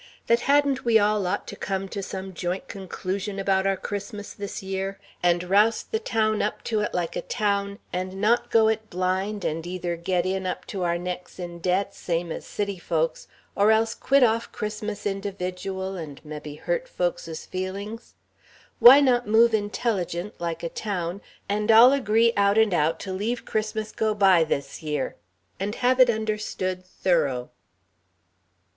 that hadn't we all ought to come to some joint conclusion about our Christmas this year, and roust the town up to it, like a town, and not go it blind and either get in up to our necks in debt, same as City folks, or else quit off Christmas, individual, and mebbe hurt folks's feelings? Why not move intelligent, like a town, and all agree out and out to leave Christmas go by this year? And have it understood, thorough?"